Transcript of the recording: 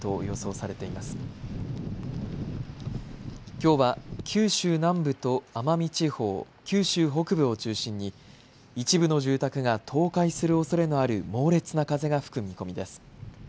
きょうは九州南部と奄美地方、九州北部を中心に一部の住宅が倒壊するおそれのある猛烈な風が吹く見込みです。